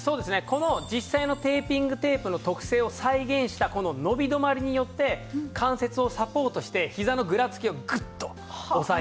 この実際のテーピングテープの特性を再現したこの伸び止まりによって関節をサポートしてひざのぐらつきをグッとおさえているんです。